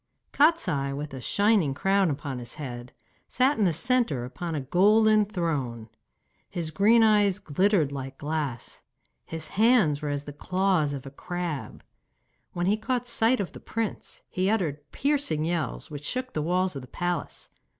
Kostiei, with a shining crown upon his head, sat in the centre upon a golden throne. His green eyes glittered like glass, his hands were as the claws of a crab. When he caught sight of the prince he uttered piercing yells, which shook the walls of the palace.